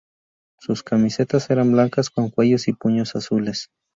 Sus camisetas eran blancas con cuellos y puños azules.